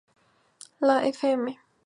La "Fm.